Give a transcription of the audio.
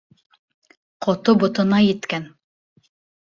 Ҡото ботона еткән.